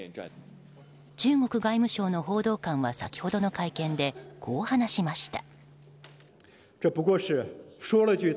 中国外務省の報道官は先ほどの会見でこう話しました。